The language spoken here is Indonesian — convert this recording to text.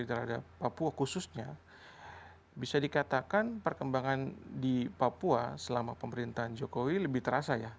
terhadap papua khususnya bisa dikatakan perkembangan di papua selama pemerintahan jokowi lebih terasa ya